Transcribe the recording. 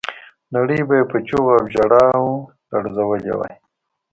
نړۍ به یې په چیغو او ژړاو لړزولې وای.